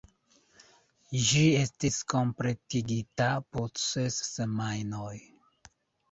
Ĝi estis kompletigita post ses semajnoj.